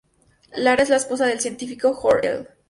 Lara es la esposa del científico Jor-El.